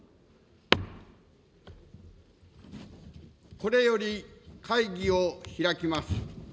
これより会議を開きます。